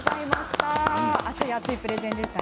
熱いプレゼンでした。